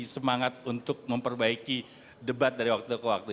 semangat untuk memperbaiki debat dari waktu ke waktu